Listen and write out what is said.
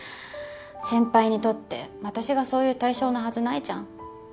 先輩にとって私がそういう対象のはずないじゃん。